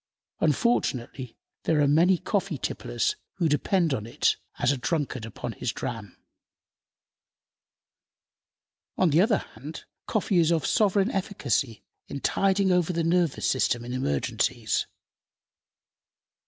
Unfortunately, there are many coffee tipplers who depend upon it as a drunkard upon his dram. On the other hand, coffee is of sovereign efficacy in tiding over the nervous system in emergencies.